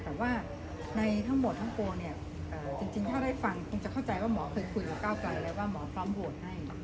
แต่ว่าในทั้งหมดทั้งปวงเนี่ยจริงถ้าได้ฟังคงจะเข้าใจว่าหมอเคยคุยกับก้าวไกลแล้วว่าหมอพร้อมโหวตให้